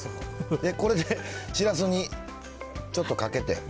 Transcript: これで、しらすにちょっとかけて。